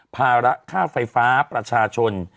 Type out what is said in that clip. ภาระค่าไฟฟ้าประชาชน